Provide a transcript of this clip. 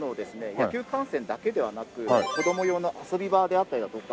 野球観戦だけではなく子ども用の遊び場であったりだとか。